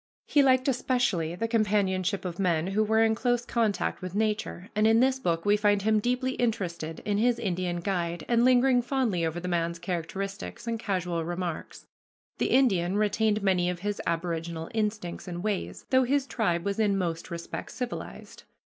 He liked especially the companionship of men who were in close contact with nature, and in this book we find him deeply interested in his Indian guide and lingering fondly over the man's characteristics and casual remarks. The Indian retained many of his aboriginal instincts and ways, though his tribe was in most respects civilized.